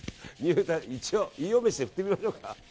一応、飯尾飯で振ってみましょうか。